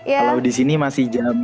kalau di sini masih jam